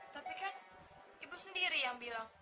tapi kan ibu sendiri yang bilang